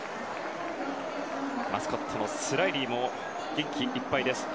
マスコットのスラィリーも元気いっぱいです。